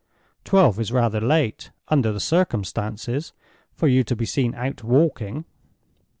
"Twelve is rather late, under the circumstances, for you to be seen out walking."